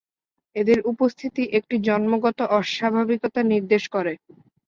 এদের উপস্থিতি একটি জন্মগত অস্বাভাবিকতা নির্দেশ করে।